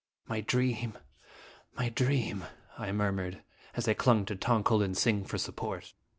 " My dream ! My dream I'M murmured as I clung to Tong ko lin sing for support.